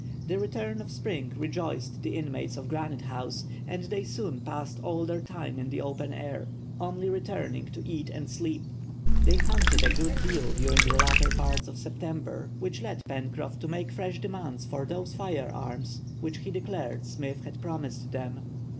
The return of spring rejoiced the inmates of Granite House, and they soon passed all their time in the open air, only returning to eat and sleep. They hunted a good deal during the latter part of September, which led Pencroff to make fresh demands for those fire arms which he declared Smith had promised him.